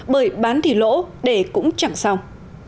bởi bán thì lỗ để cũng chẳng xong